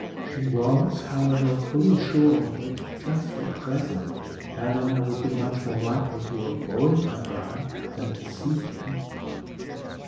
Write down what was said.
She was, however, fully sure that just at present Eleanor would be much more likely to avoid her brother than to seek him.